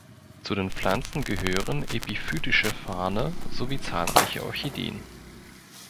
Zu den Pflanzen gehören epiphytische Farne sowie zahlreiche Orchideen.